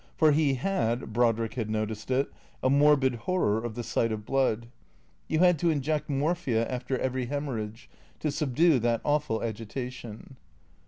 For he had (Brodrick had noticed it) a morbid horror of the sight of blood. You had to inject morphia after every haemorrhage, to subdue that awful agitation.